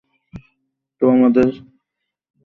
তো, আমাদের একসাথে থাকার ব্যাপারে আর ভেবেছিলে?